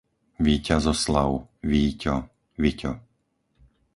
Víťazoslav, Víťo, Viťo